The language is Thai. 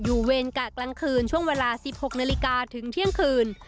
เวรกะกลางคืนช่วงเวลา๑๖นาฬิกาถึงเที่ยงคืน